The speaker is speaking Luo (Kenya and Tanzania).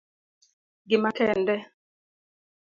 gima kende